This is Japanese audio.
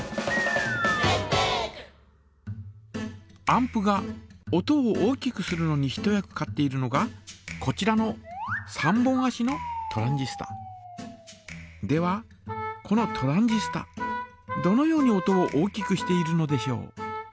アンプが音を大きくするのに一役買っているのがこちらの３本あしのではこのトランジスタどのように音を大きくしているのでしょう。